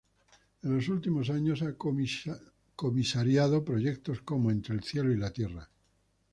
En los últimos años ha comisariado proyectos como “Entre el cielo y la tierra.